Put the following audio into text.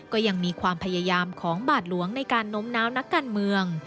ก็ยังมีความพยายามของบาทหลวงในการน้มน้าวนักการเมือง